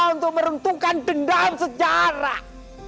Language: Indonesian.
untuk merentukan dendam sejarah